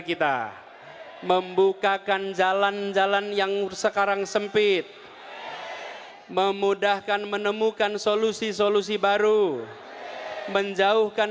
kita membukakan jalan jalan yang sekarang sempit memudahkan menemukan solusi solusi baru menjauhkan